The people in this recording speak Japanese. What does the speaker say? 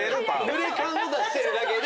ぬれ感を出してるだけで。